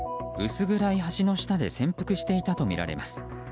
薄暗い橋の下で潜伏していたとみられます。